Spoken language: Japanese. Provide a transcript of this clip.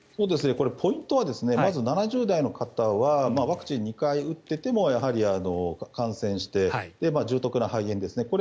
これ、ポイントはまず、７０代の方はワクチンを２回打っていてもやはり感染して重篤な肺炎ですね。